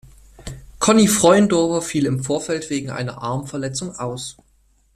Conny Freundorfer fiel im Vorfeld wegen einer Armverletzung aus.